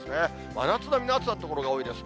真夏並みの暑さの所が多いです。